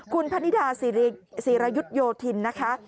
คุณพนิดาศิรยุทธโยธินนะคะ